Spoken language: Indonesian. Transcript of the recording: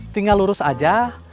tinggal lurus aja